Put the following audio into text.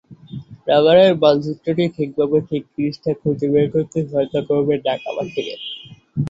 নগরের মানচিত্রটি ঠিকভাবে ঠিক জিনিসটি খুঁজে বের করতে সহায়তা করবে ঢাকাবাসীকে।